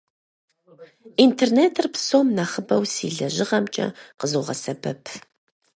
Интернетыр псом нэхъыбэу си лэжьыгъэмкӏэ къызогъэсэбэп.